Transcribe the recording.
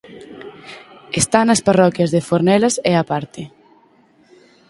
Está nas parroquias de Fornelas e A Parte.